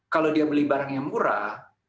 kalau dia beli barang yang murah